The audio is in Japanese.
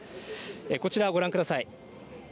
こちらご覧ください。